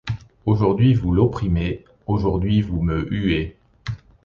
Aujourd’hui vous l’opprimez, aujourd’hui vous me huez.